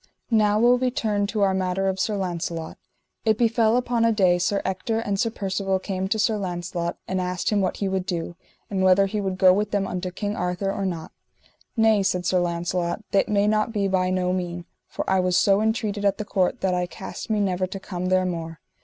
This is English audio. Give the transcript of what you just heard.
Now will we turn to our matter of Sir Launcelot. It befell upon a day Sir Ector and Sir Percivale came to Sir Launcelot and asked him what he would do, and whether he would go with them unto King Arthur or not. Nay, said Sir Launcelot, that may not be by no mean, for I was so entreated at the court that I cast me never to come there more.